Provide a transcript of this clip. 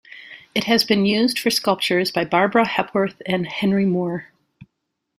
It has been used for sculptures by Barbara Hepworth and Henry Moore.